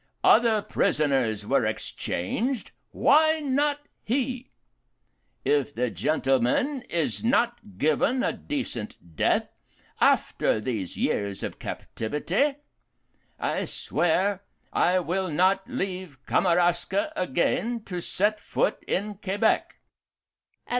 Other prisoners were exchanged why not he? If the gentleman is not given a decent death, after these years of captivity, I swear I will not leave Kamaraska again to set foot in Quebec.